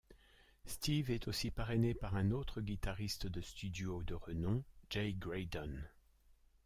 Steve est aussi parrainé par un autre guitariste de studio de renom: Jay Graydon.